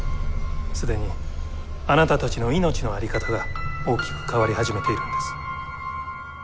既にあなたたちの命のあり方が大きく変わり始めているんです。